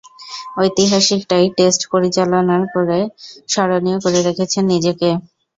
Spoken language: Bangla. ঐতিহাসিক টাই টেস্ট পরিচালনা করে স্মরণীয় করে রেখেছেন নিজেকে।